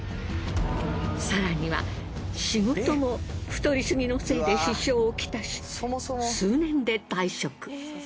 更には仕事も太り過ぎのせいで支障をきたし数年で退職。